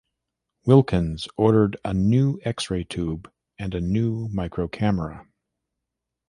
Wilkins ordered a new X-ray tube and a new microcamera.